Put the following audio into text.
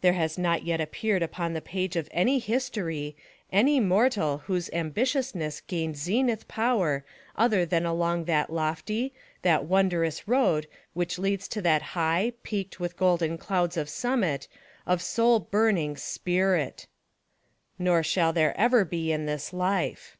There has not yet appeared upon the page of any histor}^, any mortal whose ambitiousness gained zenith power other than along that lofty, that wondrous road which leads to that high, peaked with golden clouds of summit, of soul burning SPIRIT. Nor shall there ever be in this LIFE.